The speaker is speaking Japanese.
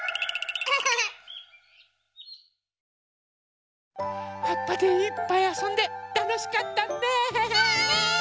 はっぱでいっぱいあそんでたのしかったね！ね！